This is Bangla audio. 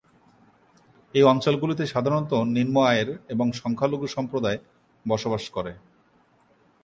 এই অঞ্চলগুলিতে সাধারণত নিম্ন-আয়ের এবং সংখ্যালঘু সম্প্রদায় বসবাস করে।